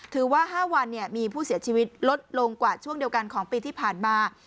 ๕วันมีผู้เสียชีวิตลดลงกว่าช่วงเดียวกันของปีที่ผ่านมา